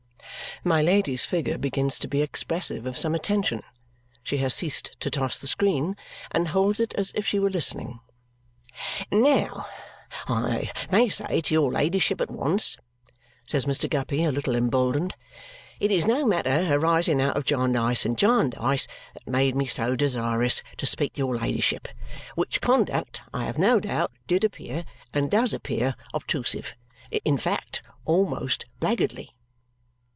My Lady's figure begins to be expressive of some attention. She has ceased to toss the screen and holds it as if she were listening. "Now, I may say to your ladyship at once," says Mr. Guppy, a little emboldened, "it is no matter arising out of Jarndyce and Jarndyce that made me so desirous to speak to your ladyship, which conduct I have no doubt did appear, and does appear, obtrusive in fact, almost blackguardly."